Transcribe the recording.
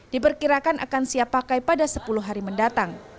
diperkirakan akan siap pakai pada sepuluh hari mendatang